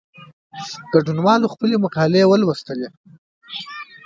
ګډونوالو خپلي مقالې ولوستې.